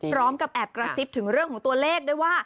พร้อมแอบกราศิษฐ์ถึงเรื่องของตัวเลขด้วยว่ะ